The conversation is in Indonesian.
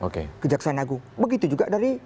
ke jaksanagung begitu juga dari